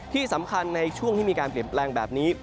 ที่สำคัญในช่วงที่มีการเปลี่ยนแปลงแบบนี้